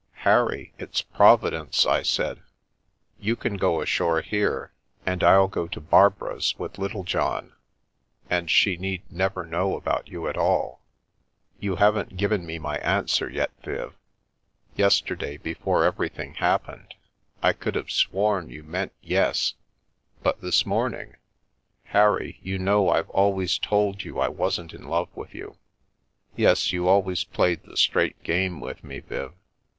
" Harry, it's Providence," I said. " You can go ashore here and I'll go to Barbara's with Littlejohn, and she never need know about you at all." " You haven't given me my answer yet, Viv. Yester day, before everything happened, I could have sworn you meant ' Yes/ but this morning "" Harry, you know I've always told you I wasn't in love with you?" " Yes, you've always played the straight game with me, Viv."